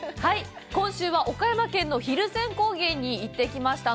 今週は岡山県の蒜山高原に行ってきました。